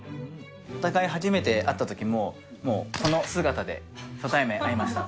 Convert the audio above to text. お互い初めて会ったときも、もう、この姿で初対面、会いました。